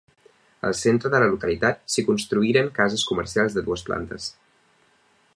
Al centre de la localitat s'hi construïren cases comercials de dues plantes.